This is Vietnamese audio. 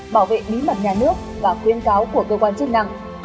bảo vệ bí mật nhà nước và khuyến cáo của cơ quan chức năng